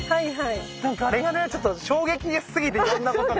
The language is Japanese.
なんかあれがねちょっと衝撃すぎていろんなことが。